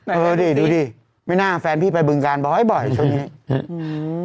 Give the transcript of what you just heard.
เออดิดูดิไม่น่าแฟนพี่ไปบึงการบ่อยบ่อยช่วงนี้อืม